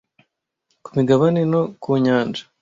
ku migabane no ku nyanja